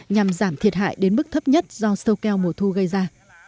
nhằm giảm thiệt hại đến mức thấp nhất do sâu keo mùa thu gây ra